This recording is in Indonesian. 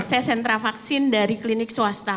saya sentra vaksin dari klinik swasta